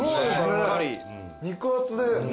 肉厚で。